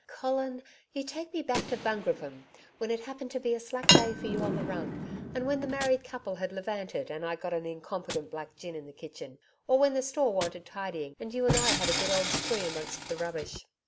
'Colin, you take me back to Bungroopim when it happened to be a slack day for you on the run, and when the married couple had levanted and I'd got an incompetent black gin in the kitchen or when the store wanted tidying and you and I had a good old spree amongst the rubbish.'